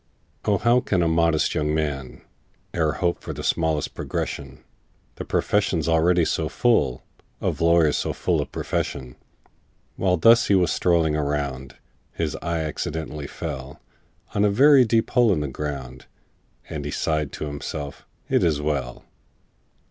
"O, how can a modest young man E'er hope for the smallest progression,— The profession's already so full Of lawyers so full of profession!" While thus he was strolling around, His eye accidentally fell On a very deep hole in the ground, And he sighed to himself, "It is well!"